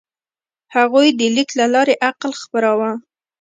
هغوی د لیک له لارې عقل خپراوه.